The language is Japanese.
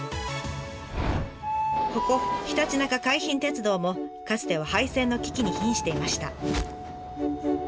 ここひたちなか海浜鉄道もかつては廃線の危機にひんしていました。